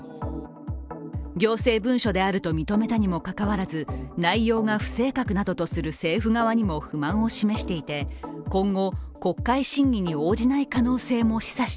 行政文書であると認めたにもかかわらず内容が不正確などとする政府側にも不満を示していてＰａｙＰａｙクーポンで！